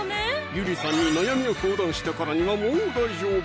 ゆりさんに悩みを相談したからにはもう大丈夫！